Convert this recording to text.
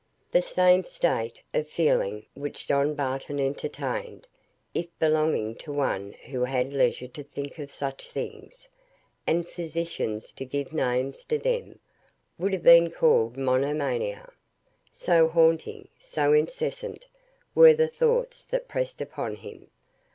The same state of feeling which John Barton entertained, if belonging to one who had had leisure to think of such things, and physicians to give names to them, would have been called monomania; so haunting, so incessant, were the thoughts that pressed upon him.